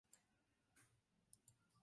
其后他生平不详。